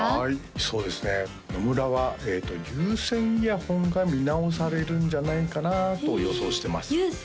そうですね野村は有線イヤホンが見直されるんじゃないかなと予想してますへえ有線？